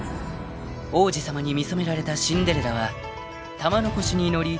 ［王子様に見初められたシンデレラは玉のこしに乗り